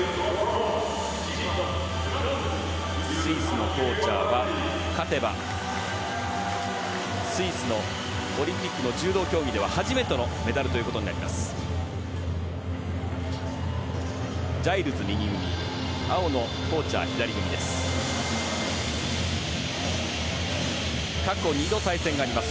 スイスのコーチャーは、勝てばスイスのオリンピックの柔道競技では初めてのメダルということになります。